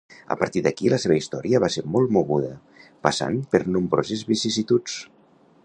A partir d'aquí la seva història va ser molt moguda, passant per nombroses vicissituds.